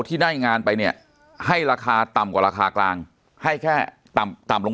ที่ได้งานไปเนี่ยให้ราคาต่ำกว่าราคากลางให้แค่ต่ำลง